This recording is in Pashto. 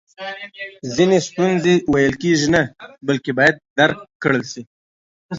ځینې ستونزی ویل کیږي نه بلکې باید درک کړل سي!